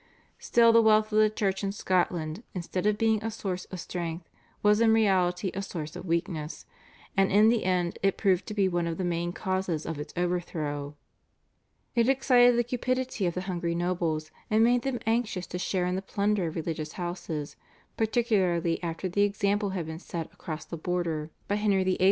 Still the wealth of the Church in Scotland instead of being a source of strength was in reality a source of weakness, and in the end it proved to be one of the main causes of its overthrow. It excited the cupidity of the hungry nobles, and made them anxious to share in the plunder of religious houses, particularly after the example had been set across the border by Henry VIII.'